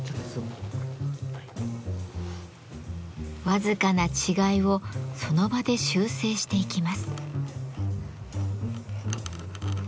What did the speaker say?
僅かな違いをその場で修正していきます。